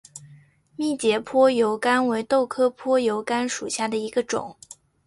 密节坡油甘为豆科坡油甘属下的一个种。